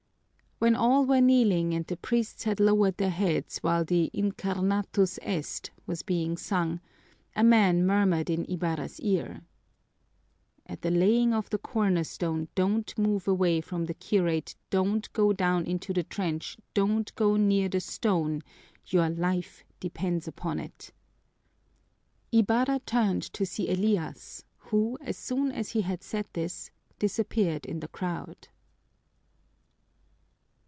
When all were kneeling and the priests had lowered their heads while the Incarnatus est was being sung, a man murmured in Ibarra's ear, "At the laying of the cornerstone, don't move away from the curate, don't go down into the trench, don't go near the stone your life depends upon it!" Ibarra turned to see Elias, who, as soon as he had said this, disappeared in the crowd.